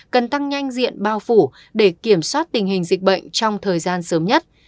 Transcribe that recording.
cần tăng nhanh diện bao phủ để kiểm soát tình hình dịch bệnh trong thời gian sớm nhất